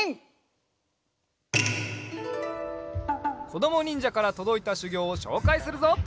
こどもにんじゃからとどいたしゅぎょうをしょうかいするぞ。